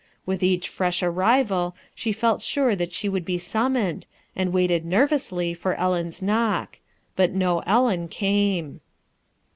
With each fresh arrival she felt sure that she would be sum moned, and waited nervously for Ellen's knock. But no Ellen came.